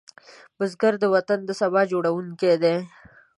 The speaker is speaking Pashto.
بزګر د وطن د سبا جوړوونکی دی